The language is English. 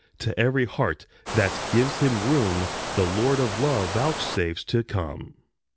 To every heart that gives him room The Lord of Love vouchsafes to come.